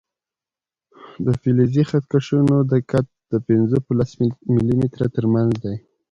د فلزي خط کشونو دقت د پنځه په لس ملي متره تر منځ دی.